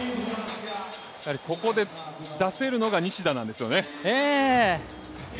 やはりここで出せるのが西田なんですよね。